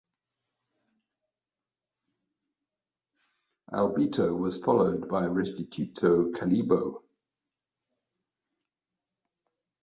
Albito was followed by Restituto Calibo.